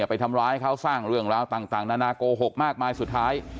ไปทำร้ายเขาสร้างเรื่องราวต่างนานาโกหกมากมายสุดท้าย